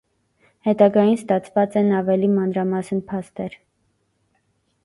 Հետագային ստացուած են աւելի մանրամասն փաստեր։